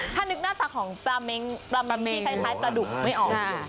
ถ้านึกหน้าตาของประเด็นพี่คล้ายประดุกไม่ออก